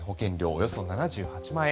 およそ７８万円。